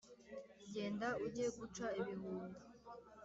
genda ujye guca ibihunda,